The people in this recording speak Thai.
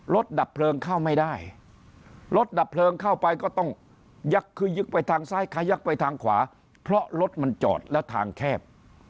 ดับเพลิงเข้าไม่ได้รถดับเพลิงเข้าไปก็ต้องยักคือยึกไปทางซ้ายขยักไปทางขวาเพราะรถมันจอดแล้วทางแคบ